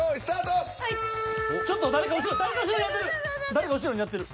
誰か後ろにやってる。